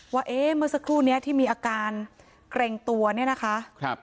ว่าเอ๊ะเมื่อสักครู่นี้ที่มีอาการเกรงตัวเนี่ยนะคะ